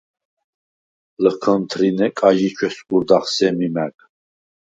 ლჷქჷნთრინე კაჟი ჩვესგურდახ სემი მა̈გ.